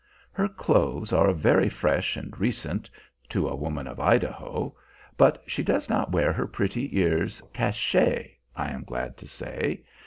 Her clothes are very fresh and recent, to a woman of Idaho; but she does not wear her pretty ears "cachées," I am glad to say.